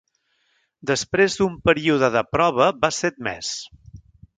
Després d'un període de prova, va ser admès.